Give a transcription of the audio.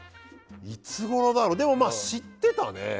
いつごろだろう？でも知ってたね。